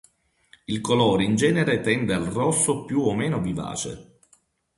Il colore in genere tende al rosso più o meno vivace.